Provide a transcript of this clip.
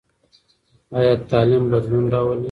ایا تعلیم بدلون راولي؟